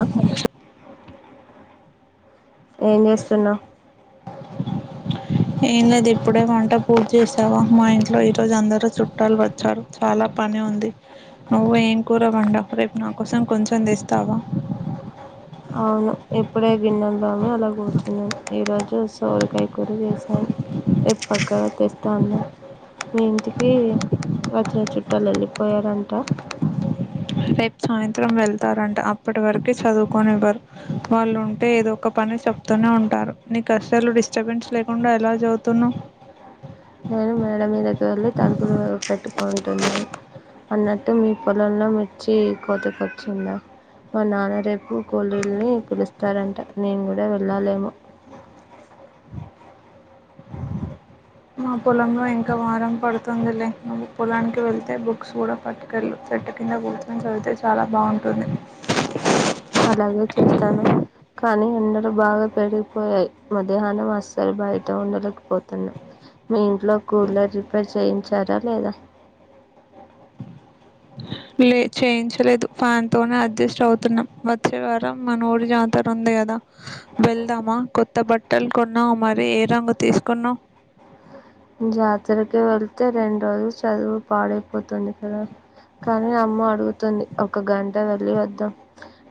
ఆ ఏం చేస్తున్నావు ఏం లేదు ఇప్పుడే వంట పూర్తి చేసావా మా ఇంట్లో ఈరోజు అందరుూ చుట్టాలు వచ్చారు చాలా పని ఉంది నువ్వు ఏం కూర వండావు రేపు నాకోసం కొంచెం తెస్తావా ఎప్పుడే గిన్నెలు తోమి అలా కూర్చున్నాను ఈరోజు సోరికాయ కూర చేసాను ఏ పక్కగా తెస్తాను మీ ఇంటికి వచ్చిన చుట్టాలు వెళ్ళిపోయారంట రేపు సాయంత్రం వెళ్తారంట అప్పటి వరకు చదువుకని ఇవ్వరు వాళ్ళు ఉంటే ఏదో ఒక పని చెప్తూనే ఉంటారు నీ అసలు డిస్టర్బెన్స్ లేకుండా ఎలా చదువుతున్నావు నేను మేడ మీదకి వెళ్ళి తలుపులు పెట్టుకుంటున్నాను అన్నట్టు మీ పొలంలో మిర్చి కోతకొచ్చిందా మా నాన్న రేపు కోలీల్ని పిలుస్తారంట నేను కూడా వెళ్ళలేమో మా పొలంలో ఇంకా వారం పడుతుంది లే నువ్వు పొలానికి వెళ్తే బుక్స్ కూడా పట్టుకెళ్ళు చెట్టు కింద కూర్చొని చదివితే చాలా బాగుంటుంది అలాగే చేస్తాను కానీ ఎండలు బాగా పెరిగిపోయాయి మధ్యాహ్నం అస్సలు బయట ఉండలేక పోతున్నా మీ ఇంట్లో కూలర్ రిపేర్ చేయించారా లేదా లే చేయించలేదు ఫ్యాన్ తోనే అడ్జస్ట్ అవుతున్నాం వచ్చే వారం మా నూరు జాతర ఉంది కదా వెళ్దామా కొత్త బట్టలు కొన్నావు మరి ఏ రంగు తీసుకున్నావు జాతరకి వెళ్తే రెండు రోజులు చదువు పాడైపోతుంది కదా కానీ అమ్మ అడుగుతుంది ఒక గంట వెళ్లి వద్దాం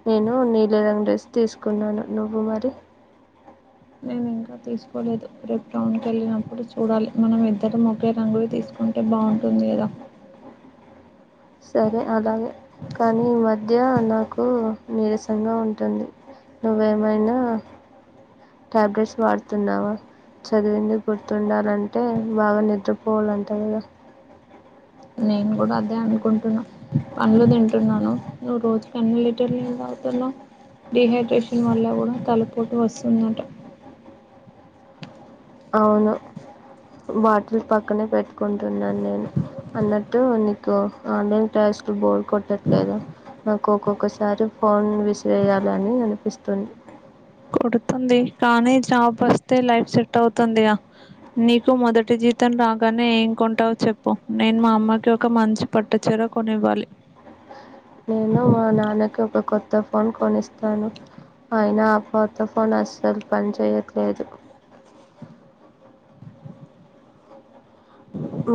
నేను నీల రంగ డ్రెస్ తీసుకున్నాను నువ్వు మరి నేను ఇంకా తీసుకోలేదు రెప్ రౌన్కి వెళ్ళినప్పుడు చూడాలి మనం ఇద్దరం ఒకే రంగువి తీసుకుంటే బాగుంటుంది కదా సరే అలాగే కానీ ఈ మధ్య నాకు నే నీరసం గా ఉంటుంది నువ్వేమైనా ట్యాబ్లెట్స్ వాడుతున్నావా చదివింది గుర్తుండాలంటే బాగా నిద్రపోవాలంటా కదా నేను కూడా అదే అనుకుంటున్నా పనులు తింటున్నాను నువ్వు రోజుకి అన్ని లీటర్లు నీళ్ళు తాగుతున్నావ్ డిహైడ్రేషన్ వల్ల కూడా తలపోటు వస్తుందట అవును బాటిల్ పక్కనే పెట్టుకుంటున్నాను నేను అన్నట్టు నీకు ఆన్లైన్ క్లాసులు బోర్ కొట్టట్లేదు నాకు ఒక్కొక్కసారి ఫోన్ విసిరేయాలి అని అనిపిస్తుంది కొడుతుంది కానీ జాబ్ వస్తే లైఫ్ సెట్ అవుతుందియా నీకు మొదటి జీతం రాగానే ఏం కొంటావుో చెప్పు నేను మా అమ్మకి ఒక మంచి పటు చీర కొనివ్వాలి నేను మా నాన్నకి ఒక కొత్త ఫోన్ కొనిస్తాను ఆయిన ఆ కొత్త ఫోన్ అస్సలు పని చేయట్లేదు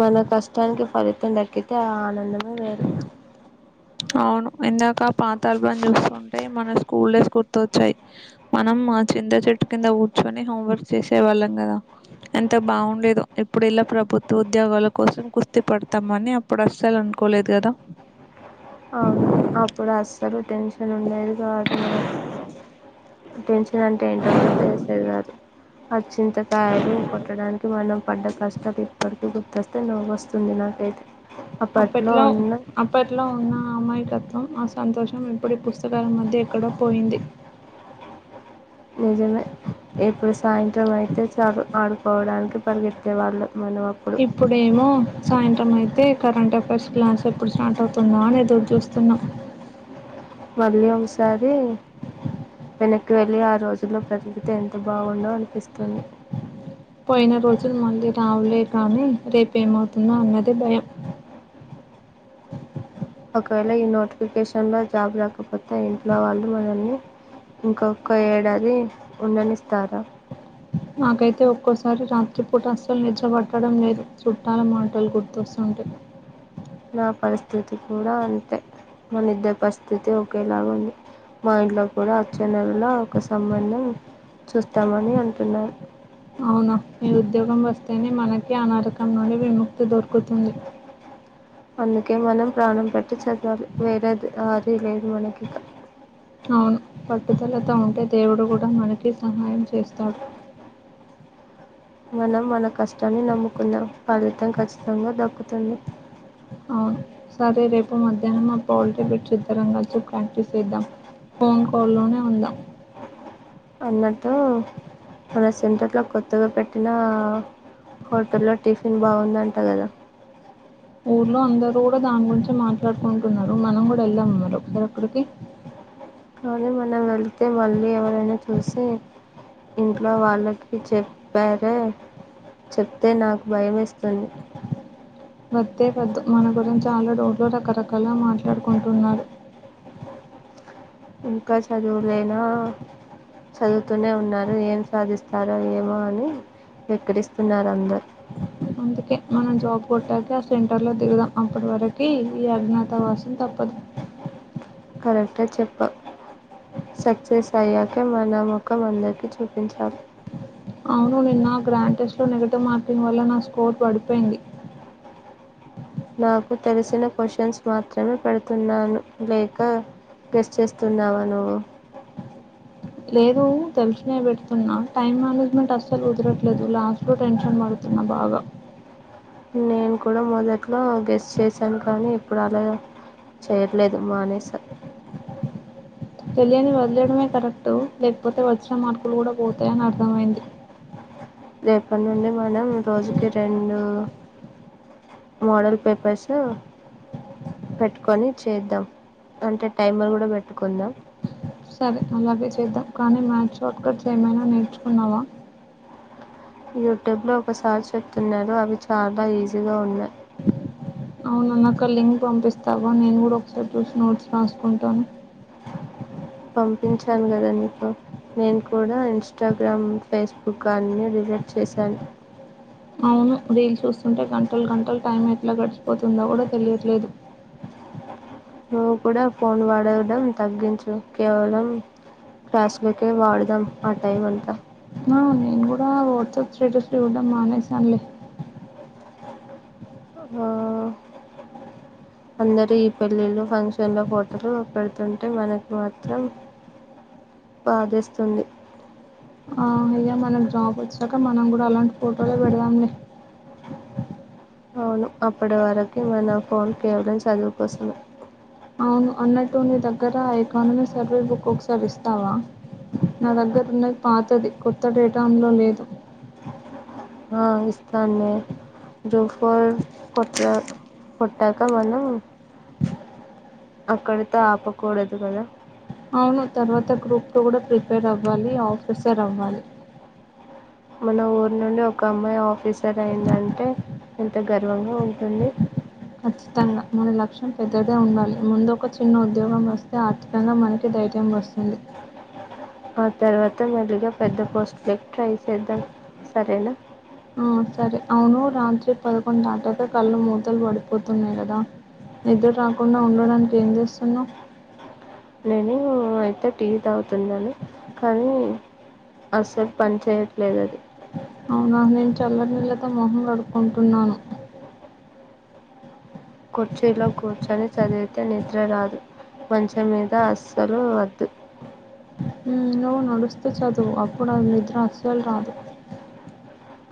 మన కష్టానికి ఫలితం దక్కితే ఆ ఆనందమే వేరు అవును ఇందాక పాత ఆల్బమ్ చూసుంట అ మన స్కూల్ డేస్ గుర్తొ వచ్చాయి మనం చింద చెట్టు కింద కూర్చొని హోంవర్క్ చేసేవాళ్ళం కదా ఎంత బాగుండేదు ఇప్పుడు ఇలా ప్రభుత్వ ఉద్యోగాల కోసం కుస్తీ పడతాం అని అప్పుడు అసలు అనుకోలేదు కదా అవును అప్పుడు అసలు టెన్షన్ ఉండేది కాదు మనకు టెన్షన్ అంటే ఏంటో కూడా తెలిసేది కాదు ఆ చింతకాయలు కొట్టడానికి మనం పడ్డ కష్టలు ఇప్పడికీ గుర్తొస్తే నవ్వు వస్తది నాకైతే అప్పట్లో అప్పట్లో ఉన్నా అమ్మాయి తత్వం ఆ సంతోషం ఇప్పుడు ఈ పుస్తకాల మధ్య ఎక్కడో పోయింది నిజమే ఇప్పుడు సాయంత్రం అయితే చాలు ఆడుకోవడానికి పరిగెత్తే వాళ్ళం ఇప్పుడేమో సాయంత్రం అయితే కరెంట్ అఫైర్స్ ప్లాన్స్ ఎప్పుడు స్టార్ట్ అవుతుందా అని ఎదురుచూస్తున్న మళ్లీ ఒకసారి వెనక్కి వెళ్ళి ఆ రోజుల్లో బ్రతికితే ఎంత బాగుండో అనిపిస్తుంది పోయిన రోజులు మళ్ళీ రావలే కానీ రేపే ఏం ఆవుతుందో అన్నది భయం ఒకవేళ ఈ నోటిఫికేషన్లో జాబ్ రాకపోతే ఇంట్లో వాళ్ళు మనల్ని ఇంకొక ఏడాది ఉండనిస్తారా నాకైతే ఒక్కోసారి రాత్రిపూట అస్సలు నిద్ర పట్టడం లేదు చుట్టాల మాటలు గుర్తొస్తుంటే నా పరిస్థితి కూడా అంతే మన ఇద్దరు పరిస్థితి ఒకేలాగా ఉంది మా ఇంట్లో కూడా అచ్చనలో ఒక సంబంధం చూస్తామని అంటున్నారు అవునా మీ ఉద్యోగం వస్తేనే మనకి అ నరకం నుండి విముక్తి దొరుకుతుంది అందుకే మనం ప్రాణం పెట్టి చదలి వేరది ఆది లేదు మనకిిక అవును పట్టుదలతో ఉంటే దేవుడు కూడా మనకి సహాయం చేస్తాడు మనం మన కష్టాన్ని నమ్ముకుందాం ఫలితం ఖచ్చితంగా దక్కుతుంది అవును సరే రేపు మధ్యానం మా పాల్టి బిట్స్ ఇద్దరం కలిసి ప్రాక్టీస్ చేద్దాం ఫోన్ కాల్లోనే ఉందాం అన్నట్టు మన సెంటర్లో కొత్తగా పెట్టిన హోటల్లో టిఫిన్ బాగుందంట కదా ఊర్లో అందరు కూడా దాని గురించే మాట్లాడుకుంటున్నారు మనం కూడా వెళ్దామా మరి ఒకసారి అక్కడికి అనీ మనం వెళ్తే మళ్ళీ ఎవరైనా చూసి ఇంట్లో వాళ్ళకి చెప్పారే చెప్తే నాకు భయం ఎస్తుంది వద్దే వద్దు మన గురించి ఆల్రెడీ ఒకోరు రకరకాలుగా మాట్లాడుకుంటున్నారు ఇంకా చదువులేనా చదువుతూనే ఉన్నారు ఏం సాధిస్తారో ఏమో అని వెక్కిరిస్తున్నారు అందరు అందుకే మనం జాబ్ కొట్టాక సెంటర్లో దిగుదాం అప్పటి వరికి ఈ అజ్ఞాతావాసం తప్పదు కరెక్టే చెప్పావ్ సక్సెస్ అయ్యాకె మన ముఖం అందరికీ చూపించాలి అవును నిన్న గ్రాండ్ టెస్ట్ లో నెగిటివ్ మార్కింగ్ వల్ల నా స్కోర్ పడిపోయింది నాకు తెలిసిన క్వశ్చన్స్ మాత్రమే పెడుతున్నాను లేక గెస్ చేస్తున్నావా నువ్వు లేదు తెలిసినవే పెడుతున్నా టైం మేనేజ్మెంట్ అస్సలు కుదరట్లేదు లాస్ట్ లో టెన్షన్ పడుతున్నా బాగా నేను కూడా మొదట్లో గెస్ చేశాను కానీ ఇప్పుడు అలా చేయట్లేదు మానేస తెలియని వదిలేయడమే కరెక్టు లేకపోతే వచ్చిన మార్కులు కూడా పోతాయని అర్థమైంది రేపటి నుండి మనం రోజుకి రెండు మోడల్ పేపర్స్ పెట్టుకొని చేద్దాం అంటే టైమర్ కూడా పెట్టుకుందాం సరే అలాగే చేద్దాం కానీ మ్యాషార్ట్కట్స్ ఏమైనా నేర్చుకున్నావా యూట్యూబ్లో ఒక సార్ చెప్తున్నారు అవి చాలా ఈజీగా ఉన్నాయ్ అవును నాకు ఆ లింక్ పంపిస్తావా నేను కూడా ఒకసారి చూసి నోట్స్ రాసుకుంటాను పంపించాను కదా నీకు నేను కూడా ఇన్స్టాగ్రామ్ ఫేస్బుక్ అన్ని డిలీట్ చేశాను అవును రీలు చూస్తుంటే గంటలు గంటలు టైం ఎట్లా గడిచిపోతుందో కూడా తెలియట్లేదు నువ్వు కూడా ఫోన్ వాడడం తగ్గించు కేవలం క్లాసులోకే వాడదాం ఆ టైం అంతా ఆ నేను కూడా వాట్సాప్ స్టేటస్ చూడం మానేసానులే అందరు ఈ పెళ్ళిళ్ళు ఫంక్షన్ లో ఫోటోలు పెడుతుంటే మనకు మాత్రం బాదేస్తుంది ఇగ మనం జాబ్ వచ్చాక మనం కూడా అలాంటి ఫోటోలు పెడదాం లే అవును అప్పటి వరకి మన ఫోన్ కేవలం చదువుకోసమే అవును అన్నట్టు నీ దగ్గర ఎకానమీ సర్వే బుక్ ఒకసారి ఇస్తావా నా దగ్గర ఉన్నది పాతది కొత్త డేటా అందులో లేదు ఆ ఇస్తానునే గ్రూప్ ఫోర్ కొట్టా కొట్టాక మనం అక్కడితో ఆపకూడదు కదా అవును తర్వాత గ్రూప్ టు కూడా ప్రిపేర్ అవ్వాలి ఆఫీసర్ అవ్వాలి మన ఊరు నుండి ఒక అమ్మాయి ఆఫీసర్ అయిందంటే ఎంత గర్వంగా ఉంటుంది ఖచ్చితంగా మన లక్ష్యం పెద్దదే ఉండాలి ముందు ఒక చిన్న ఉద్యోగం వస్తే ఆర్థికంగా మనకి ధైర్యం వస్తుంది ఆ తర్వాత మెల్లిగా పెద్ద పోస్ట్లకి ట్రై చేద్దాం సరేనా ఆ సరే అవును రాత్రి పదకొండు దాటాక కళ్ళు మూతలు పడిపోతున్నాయి కదా నిద్ర రాకుండా ఉండడానికి ఏం చేస్తున్నావ్ నేను అయితే టీ తాగుతున్నాను కానీ అసలు పని చేయట్లేదు అది అవునా నేను చల్లనీళ్ళతో మొహం కడుకుంటున్నాను కుర్చీలో కూర్చొని చదివితే నిద్ర రాదు మంచం మీద అస్సలు వద్దు మ్మ్, నువ్వు నడుస్తూ చదువు అప్పుడు అది నిద్ర అస్సలు రాదు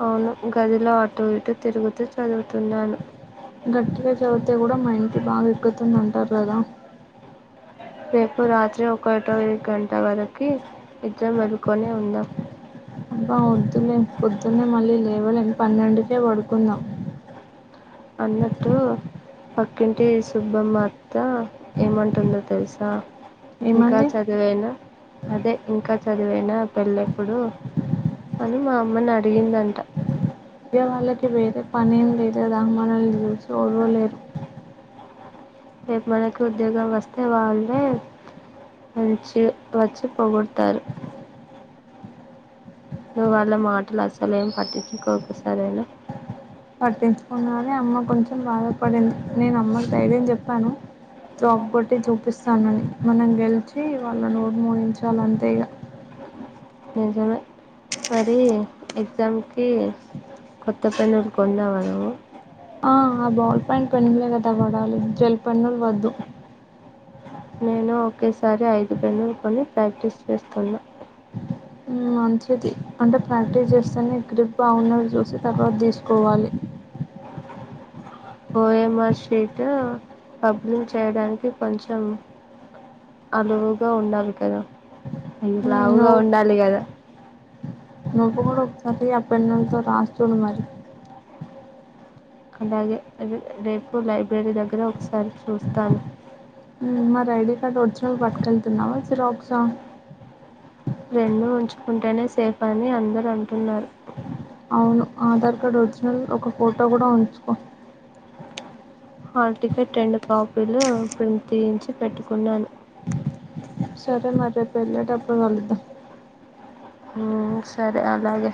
అవును గదిలో అటు ఇటు తిరుగుతూ చదువుతున్నాను గట్టిగా చదివితే కూడా మైండ్ కి బాగా ఎక్కుతుంది అంటారు కదా రేపు రాత్రి ఒకటో గంట వరకి నిద్ర మేలుకొనే ఉందాం అబ్బా వొద్దులే పొద్దున్నే మళ్ళీ లేవలేం పన్నెండుకే పడుకుందాం అన్నట్టు పక్కింటి సుబ్బమ్మ అత్తా ఏమంటుందో తెలుసా ఇంకా ఏమంది చదివేనా అదే ఇంకా చదువేనా పెళ్లెప్పుడు అని మా అమ్మని అడిగిందంట దె వాళ్ళకి వేరే పనేం లేదు కదా మనల్ని చూసి ఓర్వలేరు రేపు మనకి ఉద్యోగం వస్తే వాళ్ళే మంచి వచ్చి పొగుడుతారు నువ్ వాళ్ళ మాటలు అసలేం పట్టించుకోకు సరేనా పట్టించుకున్నాని అమ్మ కొంచెం బాధపడింది నేను అమ్మకి ధైర్యం చెప్పాను జాబ్ కొట్టి చూపిస్తానని మనం గెలిచి వాళ్ళ నోరు మూయించాలి అంతే ఇగ నిజమే మరి ఎగ్జామ్కి కొత్త పెనులు కొన్నావ నువు ఆ ఆ బౌల్ పాంట్ పెన్నులే కదా పడాలి జల్పన్నులు వద్దు నేను ఒకేసారి ఐదు పెన్నులు కొని ప్రాక్టీస్ చేస్తున్నా మంచిది అంటే ప్రాక్టీస్ చేస్తేనే గ్రిప్ బాగున్నవి చూసి తర్వాత తీసుకోవాలి ఓఎంఆర్ షీట్ బబ్లింగ్ చేయడానికి కొంచెం అలువుగా ఉండాలి కదా ఇంత మ్ లావుగా ఉండాలి కదా నొపు కూడతంది ఆ పెన్నలతో రాస్తుడు మరి అలాగే రె రేపు లైబ్రరీ దగ్గర ఒకసారి చూస్తాను మరి ఐడి కార్డ్ ఒరిజినల్ పట్టుకెళ్తున్నావా సిరాక్సా రెండు ఉంచుకుంటేనే సేఫ్ అని అందరు అంటున్నారు అవును ఆధార్ కార్డ్ ఒరిజినల్ ఒక ఫోటో కూడా ఉంచుకో హాల్ టికెట్ రెండు కాపీలు ప్రింట్ చేయించి పెట్టుకున్నాను సరే మరి రేపు వెళ్ళేటప్పుడు కలుద్దాం సరే అలాగే